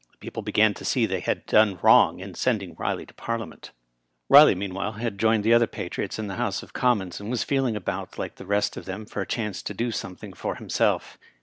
The people began to see that they had done wrong in sending Kiley to Parliament. Eiley meanwhile had joined the other patriots in the House of Commons, and was feeling about like the rest of them for a chance to do something for himself.